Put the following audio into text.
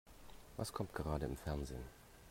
Was kommt gerade im Fernsehen?